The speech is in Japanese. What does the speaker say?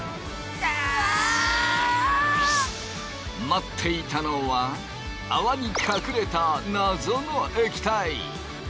待っていたのは泡に隠れた謎の液体。